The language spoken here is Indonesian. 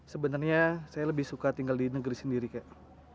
sebenarnya saya lebih suka tinggal di negeri sendiri kayak